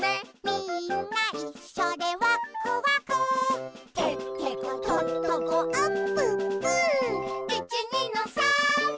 「みんないっしょでワックワク」「てってことっとこあっぷっぷ」「いちにのさーんで」